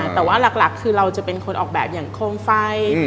แต่ว่าหลักคือเราจะเป็นคนออกแบบอย่างโคมไฟ